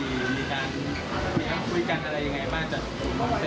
มีการคุยกันอะไรอย่างไรมาก